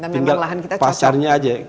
tinggal pasarnya saja